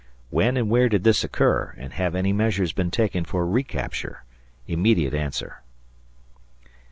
When and where did this occur and have any measures been taken for recapture? Immediate answer.